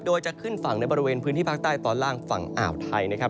โดยจะขึ้นฝั่งในบริเวณพื้นที่ภาคใต้ตอนล่างฝั่งอ่าวไทยนะครับ